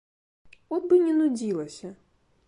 От бы не нудзілася!